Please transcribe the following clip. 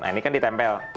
nah ini kan ditempel